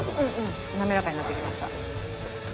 滑らかになってきました。